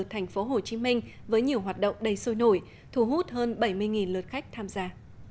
thành phố hồ chí minh với nhiều hoạt động đầy sôi nổi thu hút hơn bảy mươi lượt khách tham gia